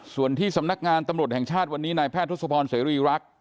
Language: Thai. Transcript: ส่วนที่สำนักงานตำรวจแห่งชาติวันนี้นายแพทย์ทศพรเสรีรักษ์